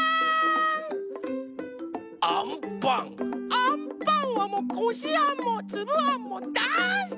あんパンはもうこしあんもつぶあんもだいすきなのよね！